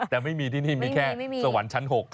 แต่ไม่มีที่นี่มีแค่สวรรค์ชั้น๖